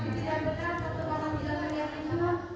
tidak betul untuk orang tidak terjangkau